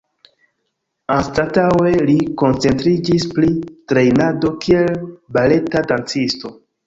Anstataŭe li koncentriĝis pri trejnado kiel baleta dancisto.